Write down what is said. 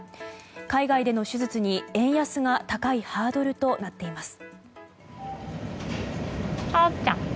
海外での手術に、円安が高いハードルとなっています。